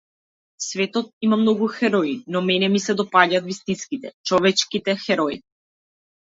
Светот има многу херои, но мене ми се допаѓаат вистинските, човечките херои.